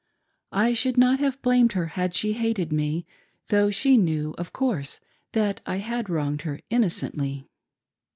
I should not have blamed her had she hated me, though she knew, of course, that I had wronged her innocently.